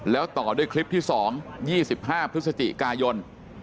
แล้วต่อด้วยคลิปที่๒๒๕พฤศจิกายน